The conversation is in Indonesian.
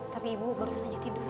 tapi ibu baru saja tidur